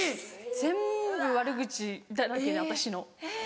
全部悪口だらけで私の。